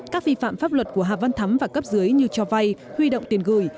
các vi phạm pháp luật của hà văn thắm và cấp dưới như cho vay huy động tiền gửi